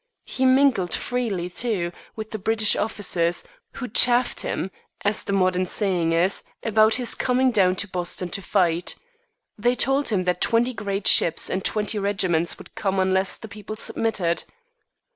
He mingled freely, too, with the British officers, who chaffed him, as the modern saying is, about his coming down to Boston to fight. They told him that twenty great ships and twenty regiments would come unless the people submitted.